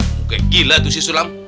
oke gila tuh si sulam